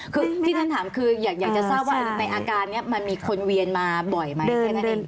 คือที่ฉันถามคืออยากจะทราบว่าในอาการนี้มันมีคนเวียนมาบ่อยไหมแค่นั้นเอง